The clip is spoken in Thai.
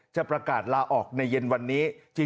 จะประกาศลาออกในเย็นวันนี้